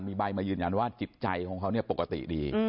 มีใบมายืนยันว่าจิตใจของเขาปกติดี